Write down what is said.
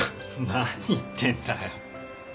何言ってんだよ。